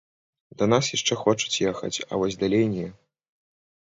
Да нас яшчэ хочуць ехаць, а вось далей не.